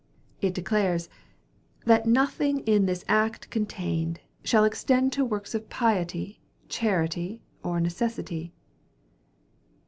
It declares, 'that nothing in this act contained, shall extend to works of piety, charity, or necessity.